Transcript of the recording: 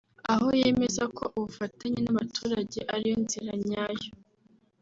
aho yemeza ko ubufatanye n’abaturage ariyo nzira nyayo